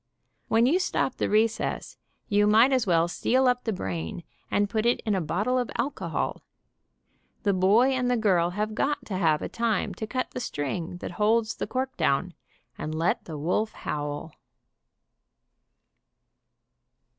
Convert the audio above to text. When you stop the recess you might as well seal up the brain, and put it in a bottle of alcohol. The boy and the girl have got to have a time to cut the string that holds the cork down, and let the wolf howl.